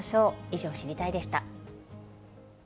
以上、知りたいッ！でした。